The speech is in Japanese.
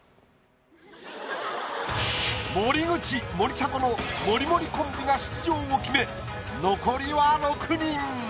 森口森迫のモリモリコンビが出場を決め残りは６人。